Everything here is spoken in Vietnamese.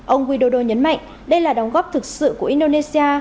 ông widodo nhấn mạnh đây là đóng góp thực sự của indonesia